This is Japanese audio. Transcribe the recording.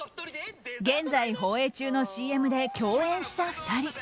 現在、放映中のＣＭで共演した２人。